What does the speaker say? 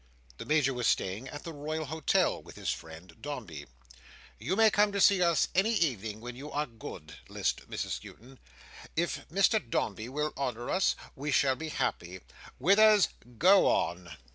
The Major was staying at the Royal Hotel, with his friend Dombey. "You may come and see us any evening when you are good," lisped Mrs Skewton. "If Mr Dombey will honour us, we shall be happy. Withers, go on!"